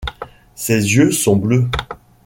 Ses yeux sont bleus.